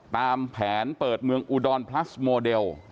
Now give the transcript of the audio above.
ตามแผนเปิดเมืองอุดรพลัสโมเดล